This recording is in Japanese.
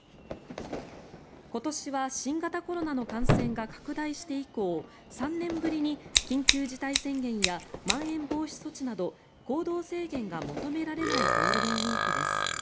今年は、新型コロナの感染が拡大して以降３年ぶりに緊急事態宣言やまん延防止措置など行動制限が求められないゴールデンウィークです。